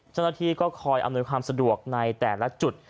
เจ้าหน้าที่ก็คอยอำนวยความสะดวกในแต่ละจุด